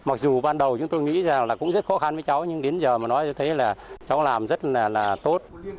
mặc dù ban đầu chúng tôi nghĩ là cũng rất khó khăn với cháu nhưng đến giờ mà nói tôi thấy là cháu làm rất là tốt